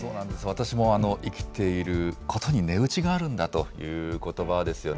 私も生きていることに値打ちがあるんだということばですよね。